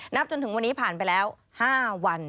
จนถึงวันนี้ผ่านไปแล้ว๕วัน